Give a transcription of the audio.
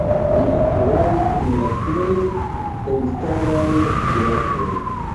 Li aktoradis en la plej elstaraj teatroj.